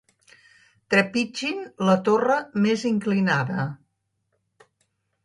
Trepitgin la torre més inclinada.